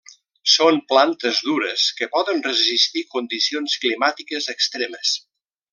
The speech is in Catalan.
Són plantes dures que poden resistir condicions climàtiques extremes.